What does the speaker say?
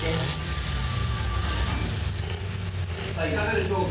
さあいかがでしょうか。